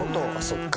そっか。